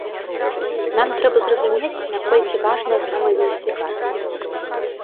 Нам трэба зразумець, наколькі важная самаідэнтыфікацыя.